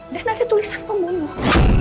dan ada tulisan pembunuh